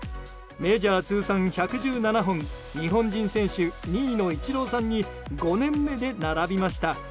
メジャー通算１１７本日本人選手２位のイチローさんに５年目で並びました。